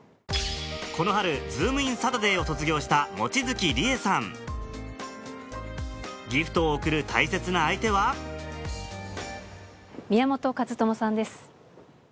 この春『ズームイン‼サタデー』を卒業したギフトを贈る大切な相手は宮本和知さんです。